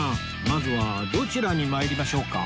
まずはどちらに参りましょうか？